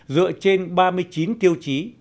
dựa trên ba mươi chín tiêu chí